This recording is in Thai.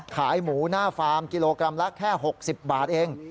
ขายหมูหน้าฟาร์มกิโลกรัมละแค่๖๐บาทเอง